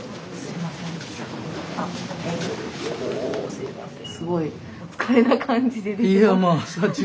すいません。